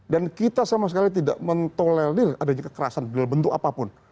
dan kita sama sekali tidak mentolelir adanya kekerasan dalam bentuk apapun